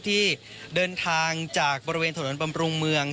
ที่เดินทางจากบริเวณถนนบำรุงเมือง